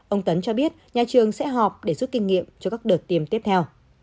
ông tấn cho biết nhà trường sẽ họp để giúp kinh nghiệm cho các đợt tiêm tiếp theo